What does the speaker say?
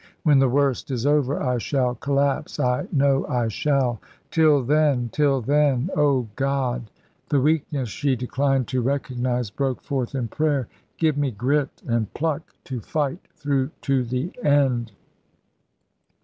When the worst is over, I shall collapse I know I shall. Till then till then Oh, God" the weakness she declined to recognise broke forth in prayer "give me grit and pluck to fight through to the end."